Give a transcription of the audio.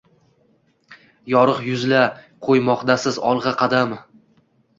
Yorug‘ yuz-la qo‘ymoqdasiz olg‘a qadam.